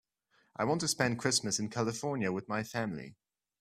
I want to spend Christmas in California with my family.